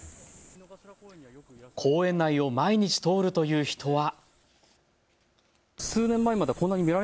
公園内を毎日、通るという人は。